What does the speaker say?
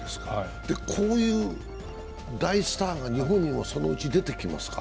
こういう大スターが日本にも、そのうち出てきますか？